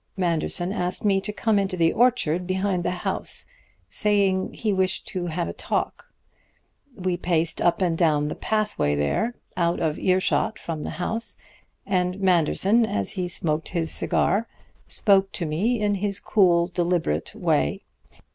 Manderson asked me to come into the orchard behind the house, saying he wished to have a talk. We paced up and down the pathway there, out of earshot from the house, and Manderson, as he smoked his cigar, spoke to me in his cool, deliberate way.